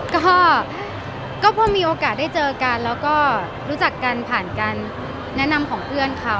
ก็พอมีโอกาสได้เจอกันแล้วก็รู้จักกันผ่านการแนะนำของเพื่อนเขา